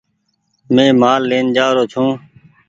مينٚ مآل لين جآرو ڇوٚنٚ